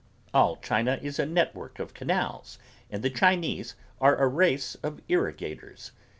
All China is a network of canals and the Chinese are a race of irrigators.